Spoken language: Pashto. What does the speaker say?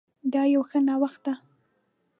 دا يو ښه نوښت ده